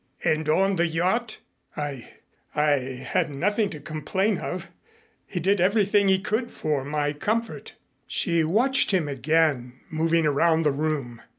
"And on the yacht " "I I had nothing to complain of. He did everything he could for my comfort." She watched him again moving around the room.